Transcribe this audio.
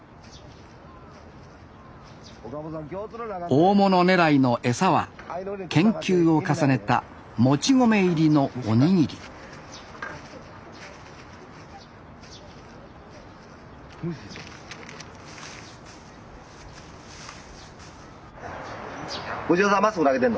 大物狙いの餌は研究を重ねたもち米入りのおにぎり藤原さん